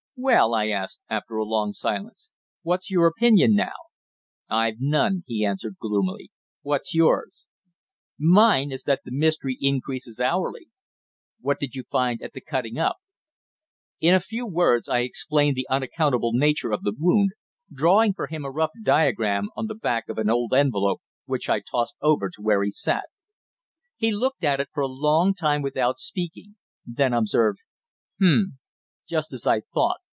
"Well," I asked, after a long silence. "What's your opinion now?" "I've none," he answered, gloomily. "What's yours?" "Mine is that the mystery increases hourly." "What did you find at the cutting up?" In a few words I explained the unaccountable nature of the wound, drawing for him a rough diagram on the back of an old envelope, which I tossed over to where he sat. He looked at it for a long time without speaking, then observed: "H'm! Just as I thought.